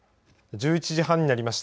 １１時半になりました。